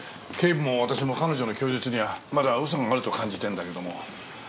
警部も私も彼女の供述にはまだ嘘があると感じてるんだけども。